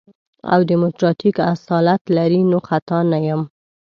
او ديموکراتيک اصالت لري نو خطا نه يم.